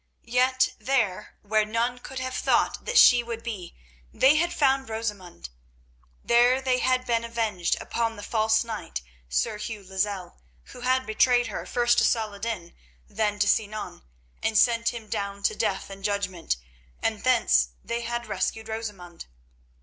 Yet there, where none could have thought that she would be, they had found Rosamund. There they had been avenged upon the false knight Sir Hugh Lozelle, who had betrayed her, first to Saladin, then to Sinan, and sent him down to death and judgment; and thence they had rescued Rosamund.